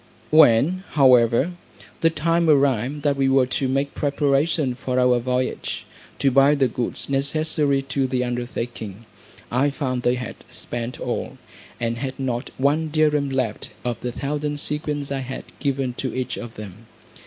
When, however, the time arrived that we were to make preparations for our voyage, to buy the goods necessary to the undertaking, I found they had spent all, and had not one dirrim left of the thousand sequins I had given to each of them.